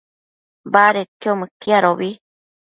badedquio mëquiadobi